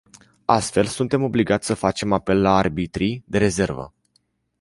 Astfel, suntem obligați să facem apel la arbitrii de rezervă.